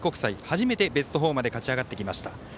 初めてベスト４まで勝ち上がってきました。